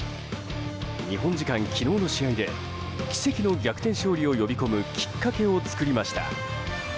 日本時間昨日の試合で奇跡の逆転勝利を呼び込むきっかけを作りました。